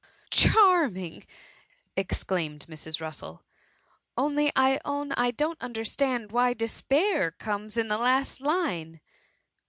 '^ Charming V^ exclaimed Mrs. Russel, '^ only I own I don'^t understand why despair comes in the last line.''